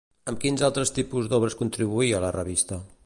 Amb quins altres tipus d'obres contribuïa a la revista?